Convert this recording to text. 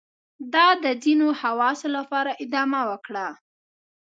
دا د ځینو خواصو لپاره ادامه وکړه.